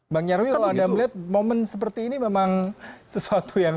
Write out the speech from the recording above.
bang nyarwi kalau anda melihat momen seperti ini memang sesuatu yang